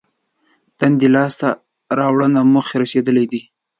دندې لاس ته راوړنه موخې رسېدلي دي.